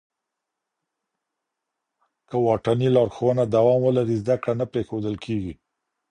که واټني لارښوونه دوام ولري، زده کړه نه پرېښودل کېږي.